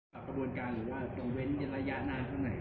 ทักโปรดการหรือว่ายังเว้นระยะนานก็ไหน